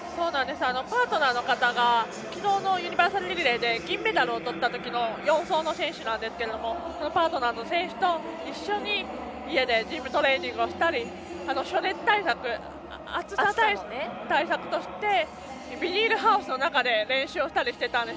パートナーの方が昨日のユニバーサルリレーで銀メダルをとったときの４走の選手ですがそのパートナーの選手と一緒に家でトレーニングをしたり暑さ対策としてビニールハウスの中で練習したりしていたんです。